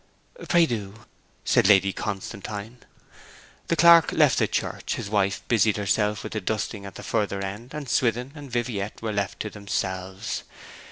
'Pray do,' said Lady Constantine. The clerk left the church; his wife busied herself with dusting at the further end, and Swithin and Viviette were left to themselves.